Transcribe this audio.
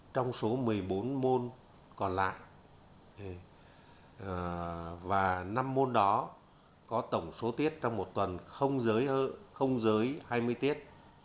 năm trong số một mươi bốn môn còn lại và năm môn đó có tổng số tiết trong một tuần không dưới hai mươi tiết